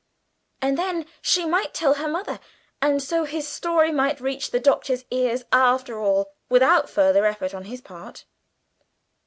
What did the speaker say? And then she might tell her mother; and so his story might reach the Doctor's ears after all, without further effort on his part.